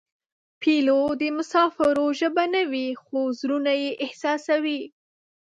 پیلوټ د مسافرو ژبه نه وي خو زړونه یې احساسوي.